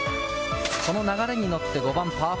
この流れに乗って５番、パー５。